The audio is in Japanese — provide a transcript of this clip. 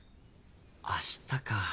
あしたか。